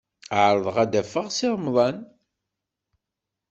Ɛerḍeɣ ad d-afeɣ Si Remḍan.